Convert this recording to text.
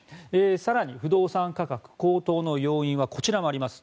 更に不動産価格、高騰の要因はこちらもあります。